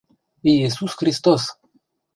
Иисус Христос!